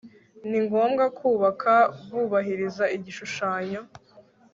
ni ngombwa kubaka bubahiriza igishushanyo